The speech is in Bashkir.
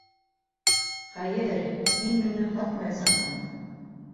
Хәйер, һин мине һатмаясаҡһың.